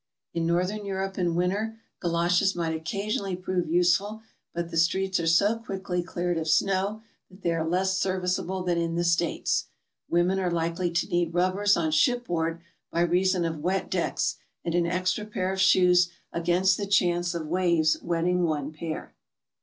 In Northern Europe in winter, goloshes might occasionally 228 GOING ABROAD? prove useful, but the streets are so quickly cleared of snow that they are less servicealble than in the States. Women are likely to need rubbers on ship board by reason of wet decks, and an extra pair of shoes against the chance of waves wetting one pair.